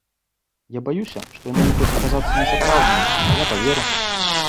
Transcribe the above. Я баюся, што яны могуць аказацца несапраўднымі, а я паверу.